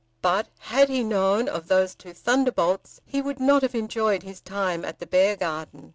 But had he known of those two thunderbolts he would not have enjoyed his time at the Beargarden.